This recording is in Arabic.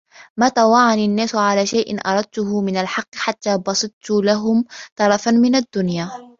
مَا طَاوَعَنِي النَّاسُ عَلَى شَيْءٍ أَرَدْتُهُ مِنْ الْحَقِّ حَتَّى بَسَطْتُ لَهُمْ طَرَفًا مِنْ الدُّنْيَا